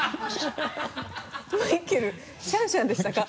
マイケル・シャンシャンでしたか？